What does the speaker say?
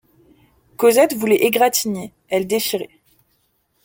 Cosette voulait égratigner ; elle déchirait.